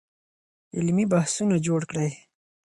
علمي بحثونه جوړ کړئ.